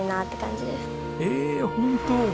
えホント！